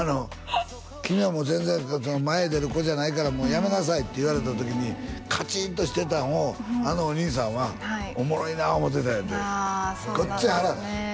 君は全然前出る子じゃないからもうやめなさいって言われた時にカチンとしてたんをあのお兄さんはおもろいな思うてたんやてあそうなんですね